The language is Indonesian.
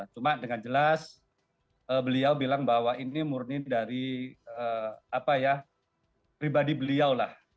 cuma dengan jelas beliau bilang bahwa ini murni dari pribadi beliau lah